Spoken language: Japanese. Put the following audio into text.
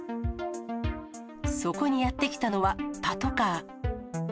そこにやって来たのは、パトカー。